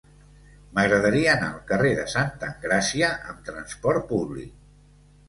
M'agradaria anar al carrer de Santa Engràcia amb trasport públic.